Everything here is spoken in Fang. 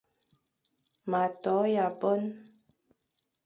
Ma to yʼaboñ,